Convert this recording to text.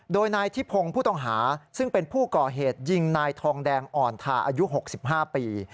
โดยนายทิพงศ์ผู้ต้องหาซึ่งเป็นผู้ก่อเหตุยิงนายทองแดงอ่อนทาอายุ๖๕ปี